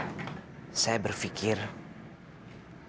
bagaimana kalau sekembalinya gitu ya